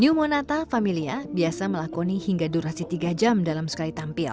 new monata familia biasa melakoni hingga durasi tiga jam dalam sekali tampil